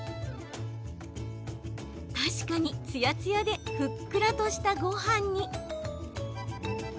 確かにツヤツヤでふっくらとしたごはんに。